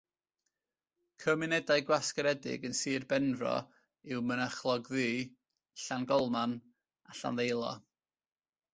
Cymunedau gwasgaredig yn sir Benfro yw Mynachlog-ddu, Llangolman a Llandeilo.